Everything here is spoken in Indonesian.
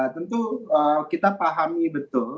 tentu kita pahami betul